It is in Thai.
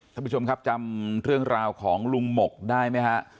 ท่านผู้ชมครับจำเรื่องราวของลุงหมกได้ไหมฮะ